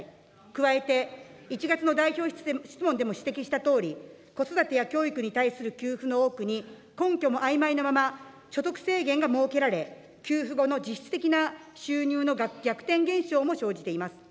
加えて、１月の代表質問でも指摘したとおり、子育てや教育に対する給付の多くに、根拠もあいまいなまま、所得制限が設けられ、給付後の実質的な収入の逆転現象も生じています。